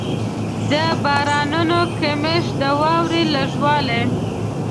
د بارانونو کمښت، د واورې لږ والی.